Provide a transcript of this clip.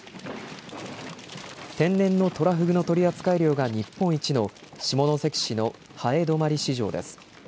天然のトラフグの取扱量が日本一の下関市の南風泊市場です。